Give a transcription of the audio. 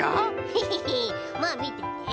ヘヘヘまあみてて。